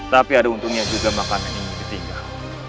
tapi ada untungnya juga makanan ini ditinggal